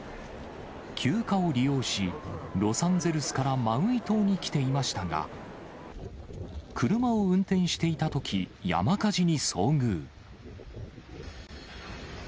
休暇を利用し、ロサンゼルスからマウイ島に来ていましたが、車を運転していたとき、山火事に遭遇。